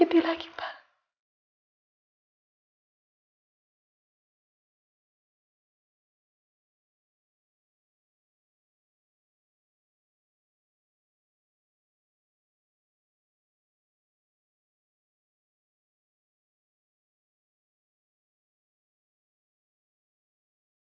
untuk kembali mempercayai al